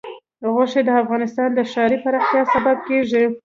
غوښې د افغانستان د ښاري پراختیا سبب کېږي.